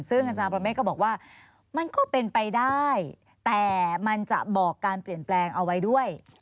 ซึ่งอาจารย์ปรเมฆก็บอกว่ามันก็เป็นไปได้แต่มันจะบอกการเปลี่ยนแปลงเอาไว้ด้วย